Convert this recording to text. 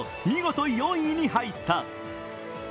見事、４位に入った。